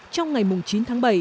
trong ngày chín tháng bảy